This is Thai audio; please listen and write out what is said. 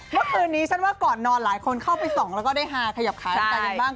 เมื่อคืนนี้ฉันว่าก่อนนอนหลายคนเข้าไปส่องแล้วก็ได้ฮาขยับขาฉันใจกันบ้าง